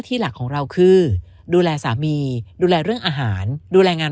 หลักของเราคือดูแลสามีดูแลเรื่องอาหารดูแลงาน